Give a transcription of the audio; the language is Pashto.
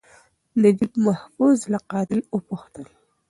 نجیب محفوظ له قاتل وپوښتل.